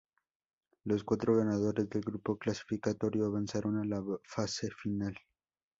Los cuatro ganadores del grupo clasificatorio avanzaron a la fase final.